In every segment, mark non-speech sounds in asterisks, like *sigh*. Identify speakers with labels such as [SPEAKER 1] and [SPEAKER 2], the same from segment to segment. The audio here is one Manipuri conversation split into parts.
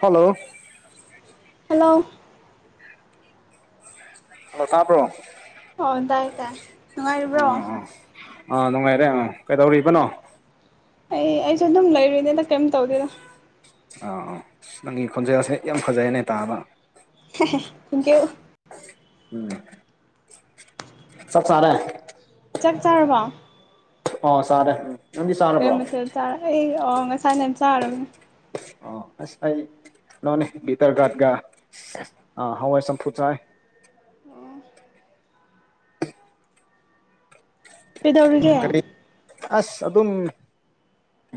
[SPEAKER 1] Hello
[SPEAKER 2] hello.
[SPEAKER 1] ꯍꯣ ꯁ ꯁꯥꯄꯤꯔꯣ
[SPEAKER 2] ꯑꯣ ꯇꯥꯏꯌꯦ ꯇꯥꯏ ꯅꯨꯡꯉꯥꯏꯔꯤꯕ꯭ꯔꯣ꯫
[SPEAKER 1] ꯑꯣ ꯑꯥ ꯅꯨꯡꯉꯥꯏꯔꯦ ꯑꯥ ꯀꯩꯗꯧꯔꯤꯕꯅꯣ?
[SPEAKER 2] ꯑꯩ ꯑꯩꯁꯨ ꯑꯗꯨꯝ ꯂꯩꯔꯤꯅꯦꯗ ꯀꯩꯝ ꯇꯧꯗꯦꯗ
[SPEAKER 1] ꯑꯥ ꯑꯥ ꯅꯪꯒꯤ ꯈꯣꯟꯖꯦꯜꯁꯦ ꯌꯥꯝ ꯐꯖꯩꯦꯅꯦ ꯇꯥꯕ꯫
[SPEAKER 2] ꯍꯦ ꯍꯦ ꯊꯦꯡꯀꯤ꯭ꯌꯨ
[SPEAKER 1] ꯎꯝ ꯆꯥꯛ ꯆꯥꯔꯦ
[SPEAKER 2] ꯆꯥꯛ ꯆꯥꯔꯕꯣ
[SPEAKER 1] ꯑ ꯁꯔꯦ
[SPEAKER 2] ꯀꯦ ꯃꯊꯦꯜ ꯆꯥꯔ ꯑꯩ ꯉꯁꯥꯏꯅ ꯆꯥꯔꯅꯦ
[SPEAKER 1] ꯑꯥ ꯑꯁ ꯑꯩ ꯀꯩꯅꯣꯅꯦ ꯕꯤꯇꯔ ꯒꯥꯔꯗꯒ ꯑꯥ ꯍꯋꯥꯏ ꯆꯝꯐꯨ ꯆꯥꯏ
[SPEAKER 2] ꯀꯩꯗꯧꯔꯤꯒꯦ
[SPEAKER 1] ꯀꯔꯤ ꯑꯁ ꯑꯗꯨꯝ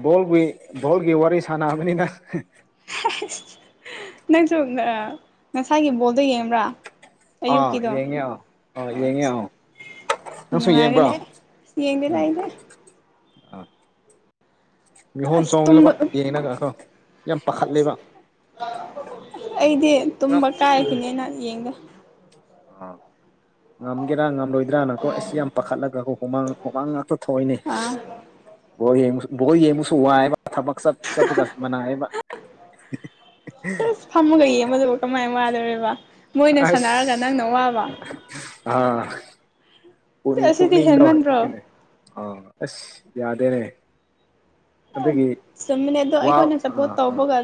[SPEAKER 1] ꯕꯣꯜꯒꯤ ꯕꯣꯜꯒꯤ ꯋꯥꯔꯤ ꯁꯥꯟꯅꯕꯅꯤꯅ
[SPEAKER 2] ꯑ ꯅꯪꯁꯨ ꯉꯁꯥꯏꯒꯤ ꯕꯣꯜꯗ ꯌꯦꯡꯕ꯭ꯔꯥ
[SPEAKER 1] ꯑꯥ
[SPEAKER 2] ꯑꯌꯨꯛꯀꯤꯗꯣ
[SPEAKER 1] ꯌꯦꯡꯉꯤ ꯑ ꯌꯦꯉꯤꯎ꯫
[SPEAKER 2] ꯅꯨꯡꯉꯔꯦꯅꯦ ꯌꯦꯡꯖꯦ ꯂꯥꯎꯅꯦ
[SPEAKER 1] ꯑ ꯃꯤꯍꯣꯟ
[SPEAKER 2] ꯑꯁ
[SPEAKER 1] ꯆꯣꯡꯡꯂꯕ
[SPEAKER 2] ꯇꯨꯝꯕ
[SPEAKER 1] ꯌꯦꯡꯉꯒꯣ ꯌꯥꯝ ꯄꯥꯈꯠꯂꯦꯕ
[SPEAKER 2] ꯑꯩꯗꯤ ꯇꯨꯝꯕ ꯀꯥꯏꯈꯤꯅꯦꯅ ꯌꯦꯡꯗꯦ
[SPEAKER 1] ꯑ ꯉꯝꯒꯦꯔꯥ ꯉꯝꯂꯣꯏꯗ꯭ꯔꯥ ꯅꯀꯣ ꯑꯁ ꯌꯥꯝ ꯄꯥꯈꯠꯂꯒꯀꯣ ꯍꯨꯃꯥꯡ ꯍꯨꯃꯥꯡ ꯉꯥꯛꯇ ꯊꯣꯛꯏꯅꯦ
[SPEAKER 2] ꯑꯥ
[SPEAKER 1] ꯑꯣ ꯍꯡ ꯕꯣꯏ ꯌꯦꯡꯕꯁꯨ ꯋꯥꯏꯦꯕ ꯊꯕꯛ ꯆꯠ ꯆꯠꯄꯒ ꯃꯅꯥꯑꯕ꯫
[SPEAKER 2] ꯑꯁ ꯐꯝꯃꯒ ꯌꯦꯡꯕꯗꯨꯕ ꯀꯃꯥꯏꯅ ꯋꯥꯗꯧꯔꯤꯕ꯫
[SPEAKER 1] ꯑꯁ ꯑꯥ ꯄꯨꯛꯅꯤꯡ
[SPEAKER 2] ꯑꯁꯤꯗꯤ
[SPEAKER 1] ꯄꯨꯅꯤꯡꯗ
[SPEAKER 2] ꯍꯦꯟꯃꯟꯗ꯭ꯔꯣ
[SPEAKER 1] ꯑꯥ ꯑꯁ ꯌꯥꯗꯦꯅꯦ ꯑꯗꯨꯒꯤ
[SPEAKER 2] ꯆꯨꯝꯃꯤꯅꯦꯗꯣ
[SPEAKER 1] ꯋꯥ
[SPEAKER 2] ꯑꯩꯈꯣꯏꯅ ꯁꯄꯣꯔꯠ
[SPEAKER 1] ꯑꯥ ꯑꯥ
[SPEAKER 2] ꯇꯧꯕꯒ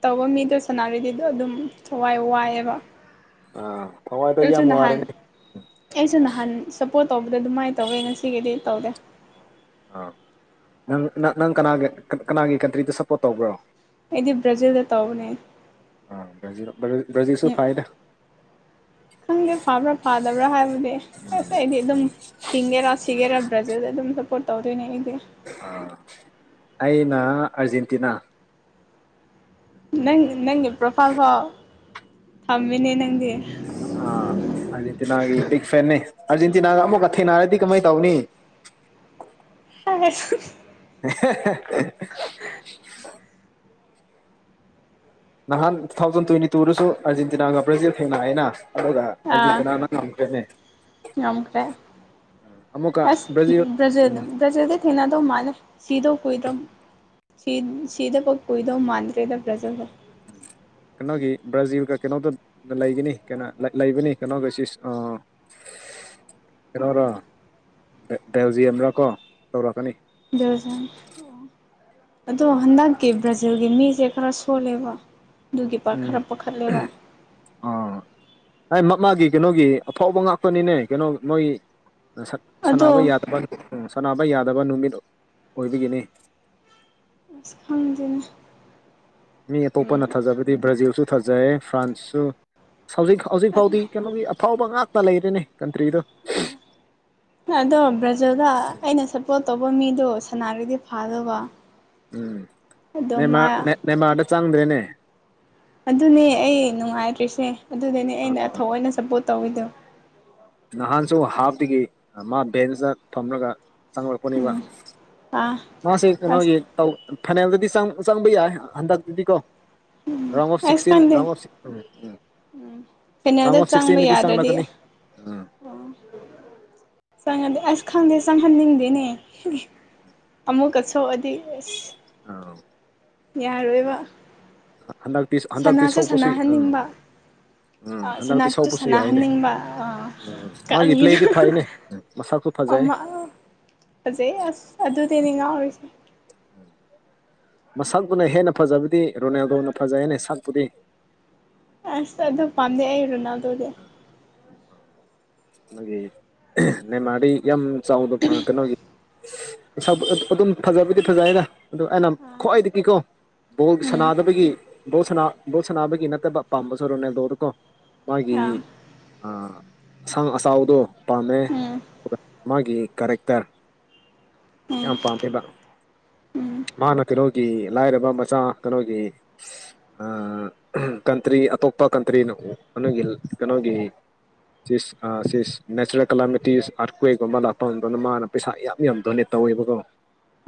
[SPEAKER 2] ꯇꯧꯕ ꯃꯤꯗꯣ ꯁꯅꯥꯕꯤꯗꯤꯗꯣ ꯑꯗꯨꯝ ꯊꯋꯥꯏ ꯋꯥꯏꯑꯦꯕ
[SPEAKER 1] ꯑꯥ ꯊꯋꯥꯏꯗꯣ
[SPEAKER 2] ꯑꯩꯁꯨ
[SPEAKER 1] ꯌꯥꯝ
[SPEAKER 2] ꯅꯍꯥꯟ
[SPEAKER 1] ꯋꯥꯔꯦꯅꯦ
[SPEAKER 2] ꯑꯩꯁꯨ ꯅꯍꯥꯟ ꯁꯞꯄꯣꯔꯠ ꯇꯧꯕꯗ ꯑꯗꯨꯃꯥꯏꯅ ꯇꯧꯋꯦ ꯉꯁꯤꯒꯤꯗꯤ ꯇꯧꯔꯦ
[SPEAKER 1] ꯑꯥ ꯅꯪ ꯅꯪ ꯀꯅꯥꯒꯤ ꯀꯅꯥꯒꯤ ꯀꯟꯇ꯭ꯔꯤꯗ ꯁꯞꯄꯣꯔꯠ ꯇꯧꯕ꯭ꯔꯣ
[SPEAKER 2] ꯑꯩꯗꯤ ꯕ꯭ꯔꯥꯖꯤꯜꯗ ꯇꯧꯕꯅꯦ
[SPEAKER 1] ꯕꯔ꯭ꯖꯤꯜꯁꯨꯨ ꯐꯥꯏꯗ
[SPEAKER 2] ꯈꯪꯗꯦ ꯐꯕ꯭ꯔꯥ ꯐꯥꯗꯕ꯭ꯔꯥ ꯍꯥꯏꯕꯗꯤ ꯑꯁ ꯑꯩꯗꯤ ꯑꯗꯨꯝ ꯍꯤꯡꯒꯦꯔꯥ ꯁꯤꯒꯦꯔ ꯕ꯭ꯔꯖꯤꯜꯗ ꯑꯗꯨꯝ ꯁꯞꯄꯣꯔꯠ ꯇꯧꯗꯣꯏꯅꯦ ꯑꯩꯗꯤ
[SPEAKER 1] ꯑ ꯑꯩꯅ ꯑꯔꯖꯦꯟꯇꯤꯅꯥ
[SPEAKER 2] ꯅꯪ ꯅꯪꯒꯤ ꯄ꯭ꯔꯣꯐꯥꯏꯜ ꯐꯥꯎ ꯊꯝꯃꯤꯅꯦ ꯅꯪꯒꯤ
[SPEAKER 1] ꯑ ꯑꯔꯖꯦꯟꯇꯤꯅꯥꯒꯤ ꯕꯤꯛ ꯐꯦꯟꯅꯦ ꯑꯔꯖꯦꯟꯇꯤꯅꯥꯒ ꯑꯃꯃꯛꯀ ꯊꯦꯡꯅꯔꯗꯤ ꯀꯃꯥꯏ ꯇꯧꯅꯤ
[SPEAKER 2] ꯑ
[SPEAKER 1] ꯍ꯫
[SPEAKER 2] *unintelligible*
[SPEAKER 1] ꯅꯍꯥꯟ ꯇꯨ ꯊꯥꯎꯖꯟ ꯇ꯭ꯋꯦꯟꯇꯤ ꯇꯨꯗꯁꯨ ꯑꯥꯔꯖꯦꯟꯇꯤꯅꯥꯒ ꯕ꯭ꯔꯥꯖꯤꯜ ꯊꯦꯡꯅꯔꯦꯅ
[SPEAKER 2] ꯑꯥ ꯉꯝꯈꯔꯦ
[SPEAKER 1] ꯑꯃꯨꯛꯀ
[SPEAKER 2] ꯑꯁ
[SPEAKER 1] ꯕ꯭ꯔꯥꯖꯤꯜ
[SPEAKER 2] ꯭ꯔꯖꯤ
[SPEAKER 1] ꯎꯝ
[SPEAKER 2] ꯭ꯔꯖꯤꯜ ꯊꯅꯥꯗ ꯃꯅ ꯁꯤꯗꯣꯣꯏꯗ ꯁꯤ ꯁꯤꯗ ꯄꯄꯨꯣꯏꯗꯧ ꯃꯥꯟꯗ꯭ꯔꯦꯗ ꯄ꯭ꯔꯖꯕ
[SPEAKER 1] ꯀꯩꯅꯣꯒꯤ ꯭ꯔꯥꯖꯤꯜ ꯀ ꯀꯩꯅꯣꯗ ꯂꯩꯒꯅꯤ ꯀꯩꯅ ꯂꯩꯕꯅꯤ ꯀꯩꯅꯣ ꯀ ꯁꯤ ꯑ ꯍꯔꯣꯔꯣ ꯗꯥꯦꯜꯖꯤ ꯑꯃ꯭ꯔꯥ ꯀꯣ ꯇꯧꯔꯛꯀꯅꯤ
[SPEAKER 2] ꯗꯖꯟ ꯑꯗꯣ ꯍꯟꯗꯛꯀꯤ ꯕ꯭ꯔꯥꯖꯤꯜꯒꯤ ꯃꯤꯁꯦ ꯈꯔ ꯁꯣꯜꯂꯦꯕ ꯑꯗꯨꯒꯤ ꯄꯔ
[SPEAKER 1] ꯎꯝ
[SPEAKER 2] ꯈꯔ ꯄꯥꯈꯠꯂꯦꯕ
[SPEAKER 1] ꯑꯥ ꯍꯥꯏ ꯃ ꯃꯥꯒꯤ ꯀꯩꯅꯣꯒꯤ ꯑꯐꯥꯎꯕ ꯉꯥꯛꯄꯅꯤꯅꯦ ꯀꯩꯅꯣ ꯃꯣꯏ
[SPEAKER 2] ꯑꯗꯣ
[SPEAKER 1] ꯁꯅꯕ ꯌꯥꯗꯕ ꯁꯥꯟꯅꯕ ꯌꯥꯗꯕ ꯅꯨꯃꯤꯠ ꯑꯣꯏꯕꯒꯤꯅꯤ
[SPEAKER 2] ꯑꯁ ꯈꯪꯗꯅ
[SPEAKER 1] ꯃꯤ ꯑꯇꯣꯞꯄꯅ ꯊꯥꯖꯕꯗꯤ ꯕ꯭ꯔꯥꯖꯤꯜꯁꯨ ꯊꯥꯖꯩꯔꯦ ꯐ꯭ꯔꯥꯟꯁꯁꯨ ꯍꯧꯖꯤꯛ ꯍꯧꯖꯤꯛ ꯐꯥꯎꯗꯤ ꯀꯩꯅꯣꯒꯤ ꯑꯐꯥꯎꯕ ꯉꯥꯛꯇ ꯂꯩꯔꯤꯦꯅꯦ ꯀꯟꯇ꯭ꯔꯤꯗ
[SPEAKER 2] ꯑꯗꯣ ꯕ꯭ꯔꯖꯤꯜꯗ ꯑꯩꯅ ꯁꯄꯣꯔꯠ ꯇꯧꯕ ꯃꯤꯗꯣ ꯁꯅꯥꯒꯤꯗꯤ ꯐꯥꯗꯧꯕ
[SPEAKER 1] ꯎꯝ
[SPEAKER 2] ꯑꯗꯣ
[SPEAKER 1] ꯅꯦꯃꯥ
[SPEAKER 2] ꯃꯥ
[SPEAKER 1] ꯅꯦꯃꯥꯔꯗ ꯆꯪꯗ꯭ꯔꯦꯅꯦ
[SPEAKER 2] ꯑꯗꯨꯅꯦ ꯑꯩ ꯅꯨꯡꯉꯥꯏꯇ꯭ꯔꯤꯁꯦ ꯑꯗꯨꯗꯅꯦ ꯑꯩꯅ ꯊꯑꯣꯏꯅ ꯁꯞꯄꯣꯔꯠ ꯇꯧꯋꯤꯗꯣ
[SPEAKER 1] ꯅꯍꯥꯟꯁꯨ ꯍꯥꯞꯇꯒꯤ ꯃꯥ ꯕꯦꯟꯁꯇ ꯊꯝꯂꯒ ꯆꯪꯉꯣꯔꯛꯄꯅꯦꯕ
[SPEAKER 2] ꯎꯝ ꯑꯥ
[SPEAKER 1] ꯃꯥꯁꯦ
[SPEAKER 2] ꯑꯁ
[SPEAKER 1] ꯀꯩꯅꯣꯒꯤ ꯇꯧ ꯐꯥꯏꯅꯥꯜꯗꯗꯤ ꯆꯪꯕ ꯌꯥꯏ ꯍꯟꯗꯛꯇꯗꯤꯀꯣ ꯔꯥꯎꯟ ꯑꯣꯐ
[SPEAKER 2] ꯑꯁ
[SPEAKER 1] ꯁꯤꯛꯁꯇꯤꯟ
[SPEAKER 2] ꯈꯪꯗꯦ
[SPEAKER 1] round of um um
[SPEAKER 2] um
[SPEAKER 1] round
[SPEAKER 2] ꯐꯦꯅꯦꯜꯗ
[SPEAKER 1] ꯑꯣꯐ
[SPEAKER 2] ꯆꯪꯕ
[SPEAKER 1] ꯁꯤꯛꯁꯇꯤꯟꯗꯗꯤ
[SPEAKER 2] ꯌꯥꯗ꯭ꯔꯗꯤ
[SPEAKER 1] ꯆꯪꯂꯛꯀꯅꯤ
[SPEAKER 2] ꯎꯝ ꯆꯪꯉꯗꯤꯦ ꯑꯁ ꯈꯪꯗꯦ ꯆꯪꯍꯟꯅꯤꯡꯗꯦꯅꯦ ꯑꯃꯨꯛꯀꯁꯨꯣꯛꯑꯗꯤ ꯑꯁ
[SPEAKER 1] ꯑ
[SPEAKER 2] ꯌꯥꯔꯣꯏꯕ
[SPEAKER 1] ꯍꯟꯗꯛꯇꯤ ꯍꯟꯗꯛꯇꯤ
[SPEAKER 2] ꯁꯅꯥꯁꯨ
[SPEAKER 1] ꯁꯣꯛꯄꯁꯨ ꯎꯝ
[SPEAKER 2] ꯁꯥꯟꯅꯍꯟꯅꯤꯡꯕ ꯑ
[SPEAKER 1] ꯍꯟꯗꯛꯇꯤ
[SPEAKER 2] ꯁꯅꯥꯁꯨ
[SPEAKER 1] ꯁꯣꯛꯄꯁꯨ ꯌꯥꯏꯅꯦ
[SPEAKER 2] ꯁꯅꯍꯟꯅꯤꯡꯕ ꯑ
[SPEAKER 1] ꯎꯝ ꯃꯥꯒꯤ
[SPEAKER 2] ꯀꯔꯤ
[SPEAKER 1] ꯄ꯭ꯂꯦꯗꯤ ꯐꯩꯅꯦ ꯃꯁꯛꯁꯨ
[SPEAKER 2] ꯑꯣ
[SPEAKER 1] ꯐꯖꯩ
[SPEAKER 2] ꯐꯖꯩ ꯑꯁ ꯑꯗꯨꯗꯤꯅꯦ ꯉꯥꯎꯔꯤꯁꯦ
[SPEAKER 1] ꯃꯁꯥꯛꯛꯇꯨꯅ ꯍꯦꯟꯅ ꯐꯖꯕꯗꯤ ꯔꯣꯅꯦꯜꯗꯣꯅ ꯐꯖꯩ ꯌꯦꯅꯦ ꯁꯛꯄꯨꯗꯤ
[SPEAKER 2] ꯑꯁ ꯑꯗꯨ ꯄꯥꯝꯗꯦ ꯑꯩꯔꯨ ꯅ ꯑꯗꯨꯗꯤ
[SPEAKER 1] ꯑꯗꯨꯒꯤ ꯅꯦꯃꯥꯗꯤ ꯌꯥꯝ ꯆꯥꯎꯗ ꯐꯪꯉꯛꯀꯅꯤ ꯑꯗꯨꯝ ꯐꯖꯕꯨꯗꯤ ꯐꯖꯩ ꯍꯥꯏꯅ ꯑꯗꯨ ꯑꯩꯅ
[SPEAKER 2] ꯑꯥ
[SPEAKER 1] ꯈ꯭ꯋꯥꯏꯗꯤ ꯀꯀꯣ ꯕꯣꯜ
[SPEAKER 2] ꯎꯝ
[SPEAKER 1] ꯁꯥꯟꯅꯥꯗꯕꯒꯤ ꯕꯣꯜ ꯕꯣꯜ ꯁꯥꯟꯅꯕꯒꯤ ꯅꯠꯇꯕ ꯄꯥꯝꯕꯁꯨ ꯔꯣꯅꯦꯜꯗꯣꯗ ꯀꯣ ꯃꯥꯒꯤ
[SPEAKER 2] ꯑꯥ
[SPEAKER 1] ꯑꯁꯥꯡ ꯑꯆꯥꯎꯗꯣ ꯄꯥꯝꯃꯦ
[SPEAKER 2] ꯎꯝ
[SPEAKER 1] ꯑꯗꯨꯒ ꯃꯥꯒꯤ ꯀꯔꯦꯛꯇꯔ
[SPEAKER 2] ꯎꯝ
[SPEAKER 1] ꯌꯥꯝ ꯄꯥꯝꯃꯦꯕ
[SPEAKER 2] ꯎꯝ
[SPEAKER 1] ꯃꯥꯅ ꯀꯩꯅꯣꯒꯤ ꯂꯥꯏꯔꯕ ꯃꯆꯥ ꯀꯩꯅꯣꯒꯤ ꯀꯟꯇ꯭ꯔꯤ ꯑꯇꯣꯞꯄ ꯀꯟꯇ꯭ꯔꯤꯅꯣ ꯀꯒꯤ ꯀꯩꯅꯣꯒꯤ ꯁꯤꯁ ꯁꯤꯁ ꯅꯦꯆꯔꯦꯜ ꯀꯂꯥꯃꯤꯇꯤꯁ ꯑꯥꯔꯠꯀ꯭ꯋꯦꯒꯨꯝꯕ ꯂꯥꯛꯄ ꯃꯇꯝꯗꯅ ꯃꯥꯅ ꯄꯩꯁꯥ ꯌꯥꯝ ꯌꯥꯝꯅ ꯗꯣꯅꯦꯠ ꯇꯧꯋꯦꯕꯀꯣ *inaudible*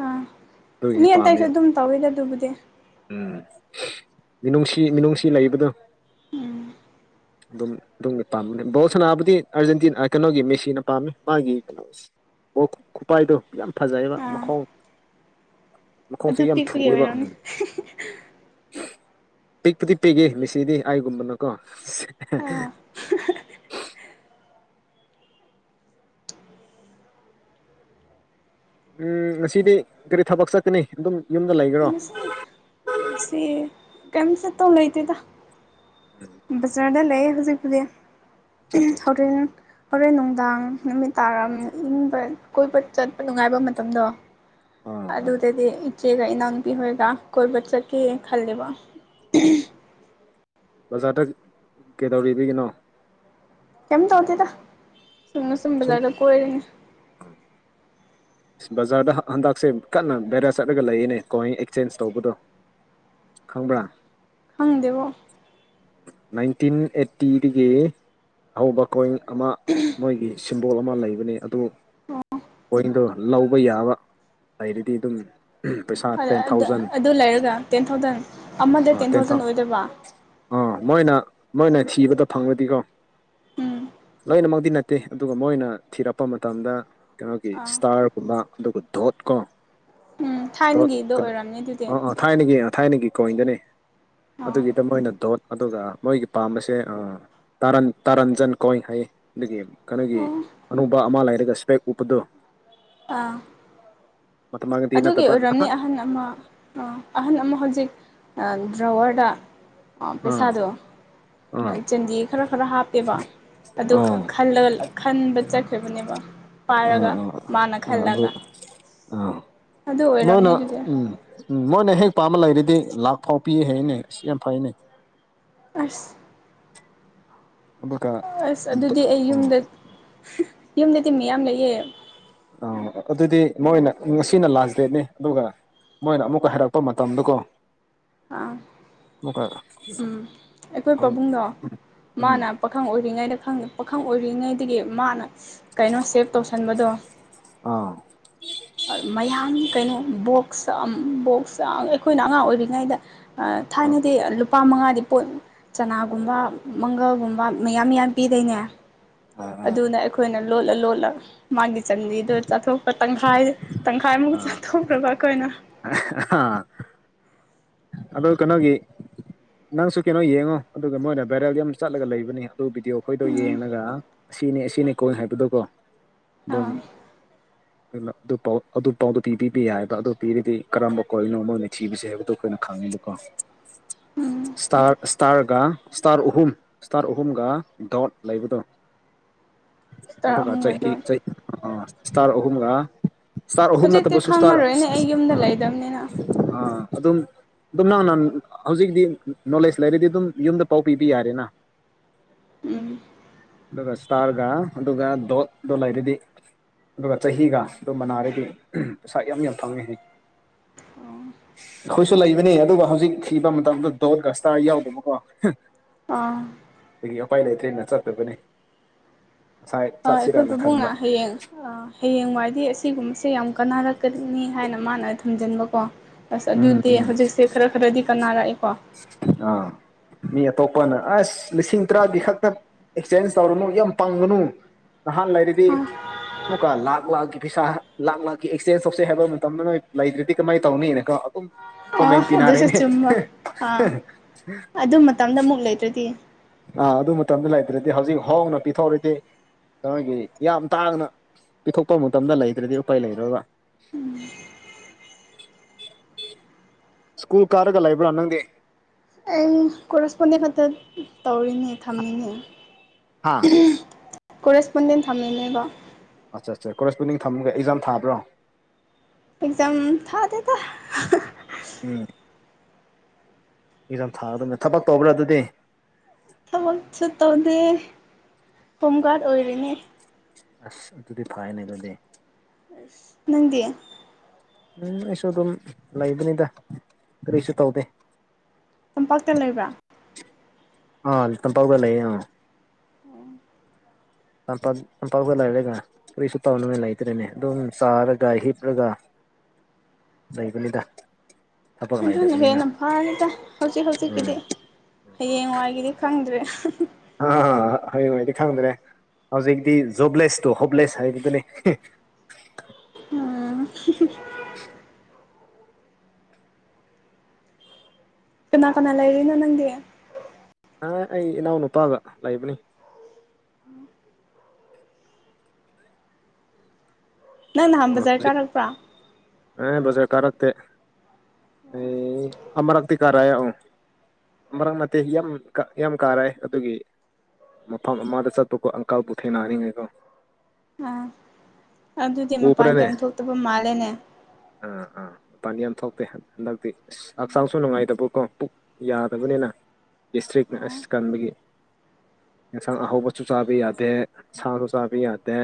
[SPEAKER 2] ꯑꯥ
[SPEAKER 1] ꯑꯗꯨꯒꯤ
[SPEAKER 2] ꯃꯤ ꯑꯇꯩꯁꯨ ꯑꯗꯨꯝ ꯇꯧꯋꯤꯗ ꯑꯗꯨꯕꯨꯗꯤ
[SPEAKER 1] ꯎꯝ ꯃꯤꯅꯨꯡꯁꯤ ꯃꯤꯅꯨꯡꯁꯤ ꯂꯩꯕꯗꯣ ꯑꯗꯨꯝ ꯑꯗꯨꯝꯒꯤ ꯄꯥꯝꯕꯅꯦ ꯁꯥꯟꯅꯥꯕꯨꯗꯤ ꯑꯥꯔꯖꯦꯟꯇꯤꯅꯥ ꯀꯩꯅꯣꯒꯤ ꯃꯦꯁꯤꯅ ꯄꯥꯝꯃꯦ ꯃꯥꯒꯤ ꯀꯩꯅꯣꯁꯦ ꯈꯨꯄꯥꯏꯗꯣ ꯌꯥꯝ ꯐꯖꯩꯑꯕ
[SPEAKER 2] ꯑꯥ
[SPEAKER 1] ꯃꯈꯥꯎ ꯃꯈꯣꯡꯁꯤ
[SPEAKER 2] ꯑꯗꯨ
[SPEAKER 1] ꯌꯥꯝ
[SPEAKER 2] ꯄꯤꯛꯄꯒꯤ
[SPEAKER 1] ꯊꯨꯕ ꯎ
[SPEAKER 2] ꯑꯣꯏꯔꯝꯅꯤ
[SPEAKER 1] ꯄꯤꯛꯄꯨꯗꯤ ꯄꯤꯒꯦ ꯃꯤꯦꯁꯤꯗꯤ ꯑꯩꯥꯏꯒꯨꯝꯕꯅꯀꯣ
[SPEAKER 2] ꯑꯥ
[SPEAKER 1] ꯎꯝ ꯉꯁꯤꯗꯤ ꯀꯔꯤ ꯊꯕꯛ ꯆꯠꯀꯅꯤ ꯑꯗꯨꯝ ꯌꯨꯝꯗ ꯂꯩꯈꯔꯣ
[SPEAKER 2] ꯁꯤ ꯀꯩꯝ ꯆꯠꯇꯧ ꯂꯩꯇꯦꯗ ꯕꯆꯔꯗ ꯂꯩ ꯍꯧꯖꯤꯛꯄꯗꯤ ꯍꯣꯔꯦꯟ ꯍꯣꯔꯦꯟ ꯅꯨꯡꯗꯥꯡ ꯅꯨꯃꯤꯠ ꯇꯥꯔꯝ ꯏꯪꯕ ꯑꯀꯣꯏꯕ ꯆꯠꯄ ꯅꯨꯡꯉꯥꯏꯕ ꯃꯇꯝꯗꯣ
[SPEAKER 1] ꯑꯥ ꯑꯥ
[SPEAKER 2] ꯑꯗꯨꯗꯗꯤ ꯏꯆꯦꯒ ꯏꯅꯥꯎ ꯄꯤꯍꯣꯏꯒ ꯀꯣꯏꯕ ꯆꯠꯀꯦ ꯈꯜꯂꯦꯕ
[SPEAKER 1] ꯕꯖꯥꯔꯗ ꯀꯩꯗꯧꯔꯤꯕꯤꯒꯤꯅꯣ
[SPEAKER 2] ꯀꯩꯝ ꯇꯧꯗꯦꯗ ꯁꯨꯝꯅ ꯁꯨꯝ ꯕꯖꯥꯔꯗ ꯀꯣꯏꯔꯅꯦ
[SPEAKER 1] ꯕꯖꯥꯔꯗ ꯍꯟꯗꯛꯁꯦ ꯀꯟꯅ ꯕꯦꯔꯌꯥ ꯆꯠꯂꯒ ꯂꯩꯌꯦꯅꯦ ꯀꯣꯍ ꯑꯦꯛꯆꯦꯟꯁ ꯇꯧꯕꯗꯣ ꯈꯪꯕ꯭ꯔꯥ
[SPEAKER 2] ꯈꯪꯗꯦꯕꯣ
[SPEAKER 1] ꯅꯥꯏꯟꯇꯤꯟ ꯑꯦꯠꯇꯤꯗꯒꯤ ꯍꯧꯕ ꯀꯣꯏꯟ ꯑꯃ ꯃꯣꯏꯒꯤ ꯁꯤꯝꯕꯣꯜ ꯑꯃ ꯂꯩꯕꯅꯤ ꯑꯗꯨ ꯑꯣꯏꯟꯗꯣ ꯂꯧꯕ ꯌꯥꯕ ꯂꯩꯔꯗꯤ ꯑꯗꯨꯝ ꯄꯩꯁꯥ ꯇꯦꯟ ꯊꯥꯎꯖꯟ
[SPEAKER 2] ꯑꯗꯨ ꯂꯩꯔꯒ ꯇꯦꯟ ꯊꯥꯎꯖꯟ ꯑꯃꯗ ꯇꯦꯟ ꯊꯥꯎꯖꯟ ꯑꯣꯏꯗꯣꯢꯕ
[SPEAKER 1] ꯑ ꯃꯣꯏꯅ ꯃꯣꯏꯅ ꯊꯤꯕꯗ ꯐꯪꯉꯗꯤꯀꯣ
[SPEAKER 2] ꯎꯝ
[SPEAKER 1] ꯂꯣꯏꯅꯃꯛꯇꯗꯤ ꯅꯠꯇꯦ ꯑꯗꯨꯒ ꯃꯣꯏꯅ ꯊꯤꯔꯛꯄ ꯃꯇꯝꯗ ꯀꯩꯅꯣꯒꯤ
[SPEAKER 2] ꯑꯥ
[SPEAKER 1] ꯏꯁꯇꯥꯔ ꯒꯨꯝꯕ ꯑꯗꯨꯒ ꯗꯣꯠ ꯀꯣ
[SPEAKER 2] ꯎꯝ
[SPEAKER 1] ꯗꯣꯠ
[SPEAKER 2] ꯊꯥꯏꯅꯒꯤꯗꯣ ꯑꯣꯏꯔꯝꯅꯤ ꯑꯗꯨꯗꯤ
[SPEAKER 1] ꯑꯥꯑꯥ ꯊꯥꯏꯅꯒꯤ ꯊꯥꯏꯅꯒꯤ ꯀꯣꯏꯟꯗꯅꯤ
[SPEAKER 2] ꯑꯥ
[SPEAKER 1] ꯑꯗꯨꯒꯤꯗ ꯃꯣꯏꯅ ꯗꯣꯠ ꯑꯗꯨꯒ ꯃꯣꯏꯒꯤ ꯄꯥꯝꯕꯁꯦ ꯇꯔꯟ ꯇꯔꯟꯖꯟ ꯀꯣꯏ ꯍꯥꯏꯌꯦ ꯑꯗꯨꯒꯤ ꯀꯩꯅꯣꯒꯤ
[SPEAKER 2] ꯑꯣ
[SPEAKER 1] ꯑꯅꯧꯕ ꯑꯃ ꯂꯩꯔꯒ ꯁ꯭ꯄꯦꯛ ꯎꯞꯄꯗꫭ
[SPEAKER 2] ꯑꯥ
[SPEAKER 1] ꯃꯇꯝꯃꯒꯗꯤ
[SPEAKER 2] ꯑꯗꯨꯒꯤ
[SPEAKER 1] ꯅꯠꯇꯕ
[SPEAKER 2] ꯑꯣꯏꯔꯝꯅꯤ ꯑꯍꯟ ꯑꯃ ꯑꯍꯟ ꯑꯃ ꯍꯧꯖꯤꯛ ꯗ꯭ꯔꯋꯔꯗ
[SPEAKER 1] ꯑꯥ
[SPEAKER 2] ꯄꯩꯁꯥꯗꯣ
[SPEAKER 1] ꯑꯥ
[SPEAKER 2] ꯆꯟꯗꯤ ꯈꯔ ꯈꯔ ꯍꯥꯞꯄꯦꯕ ꯑꯗꯨ
[SPEAKER 1] ꯑꯥ
[SPEAKER 2] ꯈꯜꯂꯒ ꯈꯟꯕ ꯆꯠꯈ꯭ꯔꯤꯕꯅꯦꯕ ꯄꯥꯏꯔꯒ ꯃꯥꯅ ꯈꯜꯂꯒ
[SPEAKER 1] ꯑ
[SPEAKER 2] ꯑꯗꯨ
[SPEAKER 1] ꯃꯧꯅ
[SPEAKER 2] ꯑꯣꯏꯔꯝꯅꯤ ꯑꯗꯨꯗꯤ
[SPEAKER 1] ꯎꯝ ꯎꯝ ꯃꯣꯏꯅ ꯍꯦꯛ ꯄꯥꯝꯕ ꯂꯩꯔꯗꯤ ꯂꯥꯛ ꯐꯥꯎ ꯄꯤ ꯍꯥꯏꯅꯦ ꯑꯁ ꯌꯥꯝ ꯐꯩꯅꯦ
[SPEAKER 2] ꯑꯁ
[SPEAKER 1] ꯑꯗꯨꯒ
[SPEAKER 2] ꯑꯁ ꯑꯗꯨꯗꯤ ꯑꯩ
[SPEAKER 1] ꯎꯝ
[SPEAKER 2] ꯌꯨꯝꯗ ꯌꯨꯝꯗ ꯇꯤꯃꯤ ꯌꯥꯝ ꯂꯩꯑꯦ
[SPEAKER 1] ꯑ ꯑꯗꯨꯗꯤ ꯃꯣꯏꯅ ꯉꯁꯤꯅ ꯂꯥꯁ ꯗꯦꯠꯅꯤ ꯑꯗꯨꯒ ꯃꯣꯏꯅ ꯑꯃꯨꯛꯀ ꯍꯥꯏꯔꯛꯄ ꯃꯇꯝꯗꯨ ꯀꯣ
[SPEAKER 2] ꯑꯥ
[SPEAKER 1] *unintelligible*
[SPEAKER 2] ꯎꯝ ꯑꯩꯈꯣꯏ ꯄꯥꯕꯨꯡꯗꯣ
[SPEAKER 1] ꯎꯝ
[SPEAKER 2] ꯃꯥꯅ ꯄꯥꯈꯪ ꯑꯣꯏꯔꯤꯉꯩꯗ ꯈꯪꯗꯦ ꯄꯥꯈꯪ ꯑꯣꯏꯔꯤꯉꯩꯗꯒꯤ ꯃꯥꯅ ꯀꯩꯅꯣ ꯁꯦꯞ ꯇꯧꯁꯟꯕꯗꯣ
[SPEAKER 1] ꯑꯥ
[SPEAKER 2] ꯃꯌꯥꯝ ꯀꯩꯅꯣ ꯕꯣꯛꯁ ꯑꯝ ꯕꯣꯛꯁ ꯑ ꯑꯩꯈꯣꯏꯅ ꯑꯉꯥꯡ ꯑꯣꯏꯔꯤꯉꯩꯗ ꯑ ꯊꯥꯏꯅꯗꯤ ꯂꯨꯄꯥ ꯃꯉꯥꯗꯤ ꯄꯣꯠ ꯆꯅꯥꯒꯨꯝꯕ ꯃꯪꯒꯜꯒꯨꯝꯕ ꯃꯌꯥꯝ ꯌꯥꯝ ꯄꯤꯗꯣꯏꯅꯦ ꯑꯗꯨ ꯑꯈꯣꯢ ꯑꯩꯈꯣꯏꯅ ꯂꯣꯜꯂ ꯂꯣꯜꯂ ꯃꯥꯒꯤ ꯆꯟꯗꯤꯗꯣ ꯆꯥꯊꯣꯛꯄ ꯇꯪꯈꯥꯏ ꯇꯪꯈꯥꯏꯃꯨꯛ ꯆꯥꯊꯣꯛꯈ꯭ꯔꯒ ꯑꯩꯈꯣꯏꯅ
[SPEAKER 1] ꯑ ꯍ ꯑ ꯑꯗ ꯀꯩꯅꯣꯒꯤ ꯅꯪꯁꯨ ꯀꯩꯅꯣ ꯌꯦꯡꯉꯣ ꯑꯗꯨꯒ ꯃꯣꯏꯅ ꯚꯦꯔꯦꯜꯗ ꯌꯥꯝ ꯆꯠꯂꯒ ꯂꯩꯕꯅꯤ ꯑꯗꯨ ꯚꯤꯗꯤꯑꯣ ꯑꯩꯈꯣꯏꯗꯣ
[SPEAKER 2] ꯎꯝ
[SPEAKER 1] ꯌꯦꯡꯉꯒ ꯑꯁꯤꯅꯤ ꯑꯁꯤꯅꯤ ꯀꯣꯏ ꯍꯥꯏꯕꯗꯣꯀꯣ ꯑꯗꯨꯝ
[SPEAKER 2] ꯑꯥ
[SPEAKER 1] ꯑꯗꯨꯅ ꯑꯗꯨ ꯄꯥꯎ ꯑꯗꯨ ꯄꯥꯎꯗꯣ ꯄꯤꯕꯤꯕ ꯌꯥꯏ ꯍꯥꯏꯕ ꯑꯗꯨ ꯄꯤꯔꯤꯗꯤ ꯀꯔꯝꯕ ꯀꯣꯢꯟ ꯅꯣꯃꯣꯏꯅ ꯊꯤꯕꯁꯦ ꯍꯥꯏꯕꯗꯣ ꯑꯩꯈꯣꯏꯅ ꯈꯪꯉꯤꯗꯀꯣ ꯏꯁꯇꯥꯔ ꯁ꯭ꯇꯥꯔꯒ ꯁ꯭ꯇꯥꯔ ꯑꯍꯨꯝ ꯁ꯭ꯇꯥꯔ ꯑꯍꯨꯝꯒ ꯗꯣꯠ ꯂꯩꯕꯗꯣ
[SPEAKER 2] ꯇꯔꯥ
[SPEAKER 1] ꯑꯗꯨꯒ ꯆꯍꯤ
[SPEAKER 2] ꯑꯍꯨꯝꯒꯗꯣ
[SPEAKER 1] ꯆꯍꯤ ꯑꯥ ꯏꯁꯇꯥꯔ ꯑꯍꯨꯝꯒ ꯏꯁꯇꯥꯔ ꯑꯍꯨꯝ
[SPEAKER 2] ꯍꯧꯖꯤꯛꯇꯤ
[SPEAKER 1] ꯅꯠꯇꯕꯁꯨ ꯏꯁꯇꯥꯔ ꯑ
[SPEAKER 2] ꯈꯪꯉꯔꯣꯏꯅꯦ ꯑꯩ ꯌꯨꯝꯗ ꯂꯩꯗꯕꯅꯤꯅ
[SPEAKER 1] ꯑꯥ ꯑꯗꯨꯝ ꯑꯗꯨꯝ ꯅꯪ ꯅ ꯍꯧꯖꯤꯛꯇꯤ ꯅꯣꯂꯦꯖ ꯂꯩꯔꯗꯤ ꯑꯗꯨꯝ ꯌꯨꯝꯗ ꯄꯥꯎ ꯄꯤꯕ ꯌꯥꯔꯦꯅ
[SPEAKER 2] ꯎꯝ
[SPEAKER 1] ꯑꯗꯨꯒ ꯏꯁꯇꯥꯔꯒ ꯑꯗꯨꯒ ꯗꯣꯠꯗꯣ ꯂꯩꯔꯗꯤ ꯑꯗꯨꯒ ꯆꯍꯤꯒ ꯑꯗꯨ ꯃꯅꯥꯔꯗꯤ ꯄꯩꯁꯥ ꯌꯥꯝ ꯌꯥꯝ ꯐꯪꯉꯦ ꯍꯥꯏ *inaudible* ꯑꯩꯈꯣꯏꯁꯨ ꯂꯩꯕꯅꯦ ꯑꯗꯨꯒ ꯍꯧꯖꯤꯛ ꯊꯤꯕ ꯃꯇꯝꯗ ꯗꯣꯠ ꯒꯁꯇꯥ ꯌꯥꯎꯗꯕꯀꯣ
[SPEAKER 2] ꯑꯥ꯫
[SPEAKER 1] ꯑꯗꯒꯤ ꯑꯄꯥꯏ ꯂꯩꯇ꯭ꯔꯦꯅ ꯆꯠꯇꯕꯅꯤ ꯉꯁꯥꯏ
[SPEAKER 2] ꯑ ꯑꯩꯈꯣꯏ
[SPEAKER 1] ꯆꯠꯁꯤꯔꯅ
[SPEAKER 2] ꯄꯥꯕꯨꯡꯅ
[SPEAKER 1] ꯈꯟꯕ
[SPEAKER 2] ꯍꯌꯦꯡ ꯍꯌꯦꯡꯋꯥꯏꯗꯤ ꯑꯁꯤꯒꯨꯝꯕꯁꯦ ꯌꯥꯝ ꯀꯥꯟꯅꯔꯛꯀꯅꯤ ꯍꯥꯏꯅ ꯃꯥꯅ ꯊꯝꯖꯟꯕꯀꯣ꯫ ꯑꯁ
[SPEAKER 1] ꯎꯝ
[SPEAKER 2] ꯑꯗꯨꯗꯤ
[SPEAKER 1] ꯎꯝ
[SPEAKER 2] ꯍꯧꯖꯤꯛꯁꯦ ꯈꯔ ꯈꯔꯗꯤ ꯀꯅꯥꯔꯛꯑꯦꯀꯣ
[SPEAKER 1] ꯑꯥ꯫ ꯃꯤ ꯑꯇꯣꯞꯄꯅ ꯑꯁ ꯂꯤꯁꯤꯡ ꯇꯔꯥꯒꯤ ꯈꯛꯇ ꯑꯦꯛꯆꯦꯟꯖ ꯇꯧꯔꯨꯅꯨ ꯌꯥꯝ ꯄꯪꯒꯅꯨ꯫ ꯅꯍꯥꯟ ꯂꯩꯔꯤꯗꯤ꯫
[SPEAKER 2] ꯑꯥ
[SPEAKER 1] ꯑꯃꯨꯛꯀ ꯂꯥꯛ ꯂꯥꯛꯀꯤ ꯄꯩꯁꯥ ꯂꯥꯛ ꯂꯥꯛꯀꯤ ꯑꯦꯛꯁꯆꯦꯟꯖ ꯇꯧꯁꯩ ꯍꯥꯏꯕ ꯃꯇꯝꯗ ꯅꯣꯏ ꯂꯩꯗ꯭ꯔꯗꯤ ꯀꯃꯥꯏꯅ ꯇꯧꯅꯤꯅꯀꯣ꯫ ꯎ꯫ *inaudible*
[SPEAKER 2] ꯑ ꯑꯗꯨꯁꯨ ꯆꯨꯝꯕ ꯑꯥ ꯑꯗꯨ ꯃꯇꯝꯗ ꯑꯃꯨꯛ ꯂꯩꯇ꯭ꯔꯗꯤ
[SPEAKER 1] ꯑꯥ ꯑꯗꯨ ꯃꯇꯝꯗ ꯂꯩꯇ꯭ꯔꯗꯤ ꯍꯧꯖꯤꯛ ꯍꯣꯡꯅ ꯄꯤꯊꯣꯛꯔꯗꯤ ꯅꯣꯏꯒꯤ ꯌꯥꯝ ꯇꯥꯡꯅ ꯄꯤꯊꯣꯛꯄ ꯃꯇꯝꯗ ꯂꯩꯗ꯭ꯔꯗꯤ ꯎꯄꯥꯏ ꯂꯩꯔꯣꯏꯕꯥ꯫ ꯁꯀꯨꯜ ꯀꯔꯒ ꯂꯩꯕꯔꯥ ꯅꯪꯗꯤ꯫
[SPEAKER 2] ꯀꯣꯔꯦꯁꯄꯣꯟꯗꯤꯡ ꯈꯛꯇ ꯇꯧꯔꯤꯅꯦ ꯊꯝꯃꯤꯅꯦ꯫
[SPEAKER 1] ꯍꯥꯥ
[SPEAKER 2] ꯀꯣꯔꯦꯁꯄꯣꯟꯗꯦꯟ ꯊꯝꯃꯤꯅꯦꯕ꯫
[SPEAKER 1] ꯑꯠ ꯑꯠꯆꯥ ꯀꯣꯔꯦꯁꯄꯨꯅꯤꯡ ꯊꯝꯒ ꯑꯦꯛꯖꯝ ꯊꯥꯕ꯭ꯔꯣ꯫
[SPEAKER 2] ꯑꯦꯛꯖꯝ ꯊꯥꯗꯦ ꯗ
[SPEAKER 1] ꯎꯝ ꯑꯦꯛꯖꯥꯝ ꯊꯥꯒꯗꯕꯅꯦ ꯊꯕꯛ ꯇꯧꯕ꯭ꯔꯥ ꯑꯗꯨꯗꯤ
[SPEAKER 2] ꯊꯕꯛꯁꯨ ꯇꯧꯗꯦ ꯍꯣꯝ ꯒꯥꯔꯗ ꯑꯣꯏꯔꯤꯅꯦ꯫
[SPEAKER 1] ꯑꯁ ꯑꯗꯨꯗꯤ ꯐꯥꯏꯅꯦ ꯑꯗꯨꯗꯤ꯫
[SPEAKER 2] ꯅꯪꯗꯤ꯫
[SPEAKER 1] ꯎꯝ ꯑꯩꯁꯨ ꯑꯗꯨꯝ ꯂꯩꯕꯅꯤꯗ ꯀꯔꯤꯁꯨ ꯇꯧꯗꯦ
[SPEAKER 2] ꯇꯝꯄꯥꯛꯇ ꯂꯩꯕ꯭ꯔꯥ꯫
[SPEAKER 1] ꯑ ꯇꯝ ꯄꯥꯛꯗ ꯂꯩꯌꯦ
[SPEAKER 2] *inaudible*
[SPEAKER 1] ꯂꯝꯄꯥꯛ ꯂꯝꯄꯥꯛꯇ ꯂꯩꯔꯒ ꯀꯔꯤꯁꯨ ꯇꯥꯎꯅꯉꯥꯏ ꯂꯩꯇ꯭ꯔꯦꯅꯦ ꯑꯗꯨꯝ ꯆꯥꯔꯒ ꯍꯤꯞꯂꯒ꯫ ꯂꯩꯕꯅꯤꯗ ꯊꯕꯛ
[SPEAKER 2] ꯑꯗꯨ
[SPEAKER 1] ꯂꯩꯇꯕꯅꯤꯅ
[SPEAKER 2] ꯍꯦꯅꯐꯥꯅꯤꯗ ꯍꯧꯖꯤ ꯍꯧꯖꯤ
[SPEAKER 1] ꯎꯝ
[SPEAKER 2] ꯀꯤꯗꯤ꯫ ꯍꯌꯦꯡꯋꯥꯏꯒꯤꯗꯤ ꯈꯪꯗ꯭ꯔꯦ꯫
[SPEAKER 1] ꯑ ꯍꯌꯦꯡꯉꯥꯏꯗꯤ ꯈꯪꯗ꯭ꯔꯦ ꯍꯧꯖꯤꯛꯇꯤ ꯖꯣꯕꯂꯦꯁꯇꯣ ꯍꯣꯞꯂꯦꯁ ꯍꯥꯏꯕꯗꯨꯅꯤ
[SPEAKER 2] ꯑꯝ꯫ ꯀꯅꯥ ꯀꯅꯥ ꯂꯩꯔꯤꯅꯣ ꯅꯪꯗꯤ
[SPEAKER 1] ꯅ ꯑꯩ ꯏꯅꯥꯎ ꯅꯨꯄꯥꯒ ꯂꯩꯕꯅꯤ꯫
[SPEAKER 2] *inaudible*
[SPEAKER 1] *inaudible*
[SPEAKER 2] ꯅꯪ ꯅꯍꯥꯟ ꯕꯖꯥꯔ ꯀꯥꯔꯛꯄ꯭ꯔꯥ
[SPEAKER 1] ꯑ ꯕꯥꯖꯥꯔ ꯀꯔꯛꯇꯦ ꯑꯃꯨꯔꯛꯇꯤ ꯀꯔꯛ ꯑ꯫ ꯑꯃꯔꯛ ꯅꯠꯇꯦ ꯌꯥꯝ ꯌꯥꯝ ꯀꯥꯔꯦ ꯑꯗꯨꯒꯤ꯫ ꯃꯐꯝ ꯑꯃꯗ ꯆꯠꯄꯨꯀꯣ ꯑꯪꯀꯜꯕꯨ ꯊꯦꯡꯅ ꯅꯤꯉꯥꯏ ꯫
[SPEAKER 2] ꯑꯥ ꯑꯗꯨꯗꯤ ꯃꯄꯥꯟ ꯀꯝ ꯊꯣꯛꯇꯕ ꯃꯥꯜꯂꯦꯅꯦ꯫
[SPEAKER 1] ꯑꯥ ꯑꯥ ꯃꯄꯥꯟꯗꯤ ꯌꯥꯝ ꯊꯣꯛꯇꯦ ꯍꯟꯗꯛꯇꯤ ꯍꯛꯆꯥꯡꯁꯨ ꯅꯨꯡꯉꯥꯏꯇꯕꯀꯣ ꯄꯨꯛ ꯌꯥꯗꯕꯅꯤꯅ ꯗꯤꯁꯇ꯭ꯔꯤꯛ
[SPEAKER 2] ꯑꯣ
[SPEAKER 1] ꯑꯁ ꯀꯟꯕꯒꯤ ꯑꯦꯟꯁꯥꯡ ꯑꯍꯧꯕꯁꯨ ꯆꯥꯕ ꯌꯥꯗꯦ ꯁꯥꯁꯨ ꯆꯥꯕ ꯌꯥꯗꯦ꯫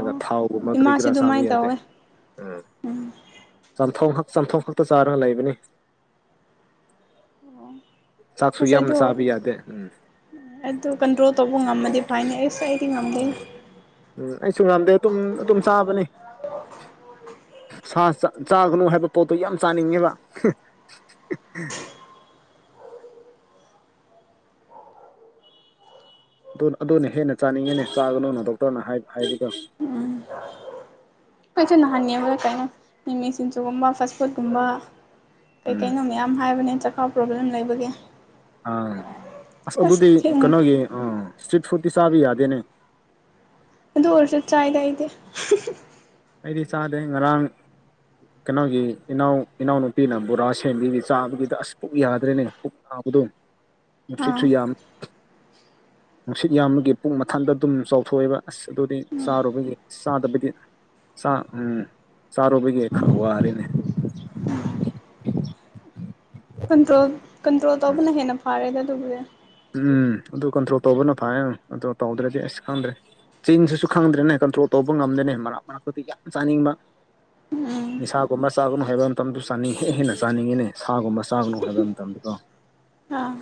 [SPEAKER 2] ꯑꯣ
[SPEAKER 1] ꯊꯥꯎꯒꯨꯝꯕ ꯀꯔꯤ
[SPEAKER 2] ꯏꯃꯥꯁꯨ
[SPEAKER 1] ꯀꯔꯥ ꯆꯥꯕ
[SPEAKER 2] ꯑꯗꯨꯃꯥꯏꯅ
[SPEAKER 1] ꯌꯥꯗꯦ꯫
[SPEAKER 2] ꯇꯧꯋꯦ
[SPEAKER 1] ꯎꯝ ꯆꯝꯊꯣꯡ ꯈꯛꯇ ꯆꯥꯔꯒ ꯂꯩꯕꯅꯤ
[SPEAKER 2] ꯍꯥꯜꯂꯣ
[SPEAKER 1] ꯆꯥꯛꯁꯨ ꯌꯥꯥꯝꯅ ꯆꯥꯕ ꯌꯥꯗꯦ ꯎꯝ
[SPEAKER 2] ꯑꯗꯨ ꯀꯟꯇ꯭ꯔꯣꯜ ꯇꯧꯕ ꯉꯝꯃꯗꯤ ꯐꯥꯏꯅꯦ ꯑꯩꯁ ꯑꯩ꯫
[SPEAKER 1] ꯎꯝ ꯎꯝ ꯑꯩꯁꯨ ꯉꯝꯗꯦ ꯑꯗꯨꯝ ꯑꯗꯨꯝ ꯆꯥꯕꯅꯤ꯫ ꯁꯥ ꯆꯥꯒꯅꯨ ꯍꯥꯏꯕ ꯄꯣꯠꯇꯣ ꯌꯥꯝ ꯆꯥꯅꯤꯡꯉꯦꯕ꯫ ꯑꯗꯨ ꯑꯗꯨꯅ ꯍꯦꯟꯅ ꯆꯥꯅꯤꯡꯉꯅꯤ ꯆꯥꯒꯅꯨꯅ ꯗꯣꯛꯇꯔꯅ ꯍꯥꯏꯕꯗꯣ꯫
[SPEAKER 2] ꯑꯩꯁꯨ ꯅꯥꯍꯟꯉꯦꯕꯗ ꯀꯩꯅꯣ ꯃꯤꯃꯤ ꯁꯤꯡꯖꯨꯒꯨꯝꯕ ꯐꯁ ꯐꯨꯗꯀꯨꯝꯕ
[SPEAKER 1] ꯎꯝ
[SPEAKER 2] ꯀꯩꯀꯩꯅꯣ ꯃꯌꯥꯝ ꯍꯥꯏꯕꯅꯦ ꯆꯈꯥꯎ ꯄ꯭ꯔꯣꯕ꯭ꯂꯦꯝ ꯂꯩꯕꯒꯦ꯫
[SPEAKER 1] ꯑꯥ ꯑꯁ ꯑꯗꯨꯗꯤ ꯀꯩꯅꯣꯒꯤ ꯑꯥ ꯏꯁꯇ꯭ꯔꯤꯠ ꯐꯨꯗꯇꯤ ꯆꯥꯕ ꯌꯥꯗꯦꯅꯦ꯫
[SPEAKER 2] ꯑꯗꯨ ꯑꯣꯏꯔꯁꯨ ꯆꯥꯏꯗ ꯑꯩꯗꯤ
[SPEAKER 1] ꯑꯩꯗꯤ ꯆꯥꯗꯦ ꯉꯔꯥꯡ ꯀꯩꯅꯣꯒꯤ ꯏꯅꯥꯎ ꯏꯅꯥꯎꯅꯨꯄꯤꯅ ꯕꯣꯔꯥ ꯁꯦꯟꯕꯤꯒꯤ ꯆꯥꯕꯒꯤꯗ ꯑꯁ ꯄꯨꯛ ꯌꯥꯗ꯭ꯔꯦꯅꯦ ꯑꯕꯗꯣ
[SPEAKER 2] ꯑꯥ
[SPEAKER 1] ꯅꯨꯡꯁꯤꯠꯁꯨ ꯌꯥꯝ꯫ *inaudible* ꯅꯨꯡꯁꯤꯠ ꯌꯥꯝꯕꯒꯤ ꯄꯨꯛ ꯃꯊꯟꯗ ꯑꯗꯨꯝ ꯆꯥꯎꯊꯣꯛꯑꯦꯕ ꯑꯁ ꯑꯗꯨꯗꯤ ꯆꯥꯔꯨꯕꯒꯤ ꯆꯥꯗꯕꯒꯤ ꯁꯥ ꯎꯝ ꯆꯥꯔꯨꯕꯒꯤ ꯈꯔ
[SPEAKER 2] ꯑꯥ
[SPEAKER 1] ꯋꯥꯔꯦꯅꯦ꯫
[SPEAKER 2] ꯀꯟꯇ꯭ꯔꯣꯜ ꯀꯟꯇ꯭ꯔꯣꯜ ꯇꯧꯕꯅ ꯍꯦꯟꯅ ꯐꯥꯔꯦꯗ ꯑꯗꯨꯕꯨꯗꯤ
[SPEAKER 1] ꯎꯝ ꯑꯗꯨ ꯀꯟꯇ꯭ꯔꯣꯜ ꯇꯧꯕꯅ ꯐꯩꯌꯦꯪ ꯑꯗꯣ ꯇꯧꯗ꯭ꯔꯗꯤ ꯑꯁ ꯈꯪꯗ꯭ꯔꯦ ꯆꯤꯟꯁꯤꯁꯨ ꯈꯪꯗ꯭ꯔꯦꯅꯦ ꯀꯟꯇ꯭ꯔꯣꯜ ꯇꯧꯕ ꯉꯝꯗꯦꯅꯦ ꯃꯔꯛ ꯃꯔꯛꯇꯨꯗ ꯌꯥꯝ ꯆꯥꯅꯤꯡꯕ ꯅꯤꯁꯥꯒꯨꯝꯕ ꯆꯥꯒꯅꯨ ꯍꯥꯏꯕ ꯃꯇꯝꯗꯨ ꯆꯥꯅꯤꯡ ꯍꯦꯛ ꯍꯦꯟꯅ ꯆꯥꯅꯤꯡꯉꯤꯅꯦ ꯁꯥꯒꯨꯝꯕ ꯆꯥꯒꯅꯨ ꯍꯥꯏꯕ ꯃꯇꯝꯗꯨꯀꯣ꯫
[SPEAKER 2] ꯑꯥ